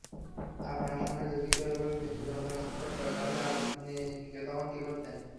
আপনার সামনে যদি কেউ এভাবে মৃত্যু যন্ত্রণায় ছটফট করে তাহলে আপনি তখন কি করতেন?